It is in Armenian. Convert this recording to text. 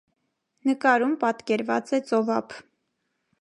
Նկարում պատկերված է ծովափ։